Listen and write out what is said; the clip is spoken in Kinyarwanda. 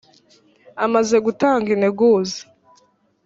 amaze gutanga integuza.